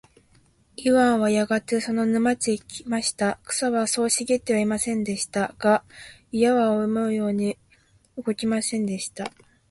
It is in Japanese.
イワンはやがてその沼地へ来ました。草はそう茂ってはいませんでした。が、鎌は思うように動きませんでした。